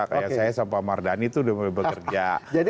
kayak saya sama pak mardhani itu udah mulai bekerja